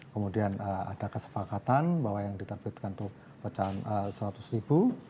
kemudian ada kesepakatan bahwa yang diterbitkan itu pecahan seratus ribu